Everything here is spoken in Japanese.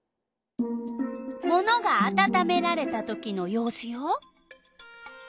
ものがあたためられたときの様子よ。